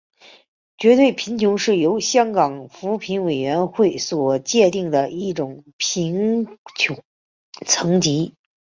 绝对贫穷是由香港扶贫委员会所界定的一种贫穷层级。